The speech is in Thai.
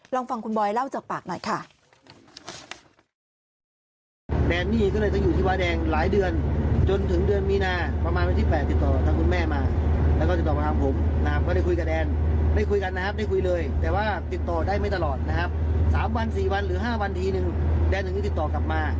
ลองฟังคุณบอยเล่าจากปากหน่อยค่ะ